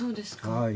はい。